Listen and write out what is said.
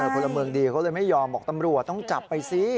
พลเมืองดีเขาเลยไม่ยอมบอกตำรวจต้องจับไปสิ